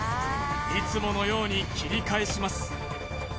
いつものように切り返します